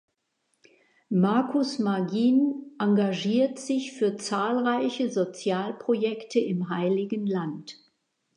Markus Magin engagiert sich für zahlreiche Sozialprojekte im Heiligen Land.